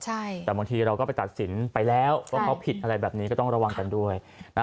แต่บางทีเราก็ไปตัดสินไปแล้วว่าเขาผิดอะไรแบบนี้ก็ต้องระวังกันด้วย